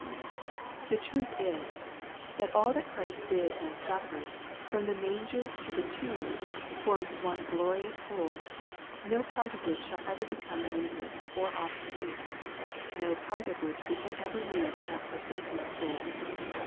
The truth is, that all that Christ did and suffered, from the manger to the tomb, forms one glorious whole, no part of which shall ever become needless or obsolete ; no part of which we can ever leave with out forsaking the whole.